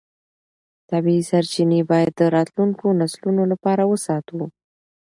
طبیعي سرچینې باید د راتلونکو نسلونو لپاره وساتو